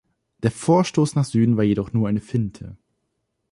Der Vorstoß nach Süden war jedoch nur eine Finte.